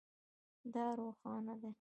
دا روښانه دی